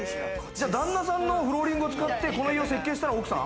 旦那さんのフローリングを使って、この家を設計したのは奥さん？